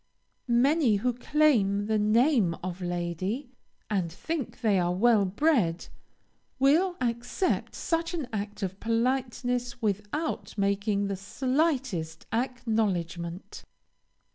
Many, who claim the name of lady, and think they are well bred, will accept such an act of politeness without making the slightest acknowledgement.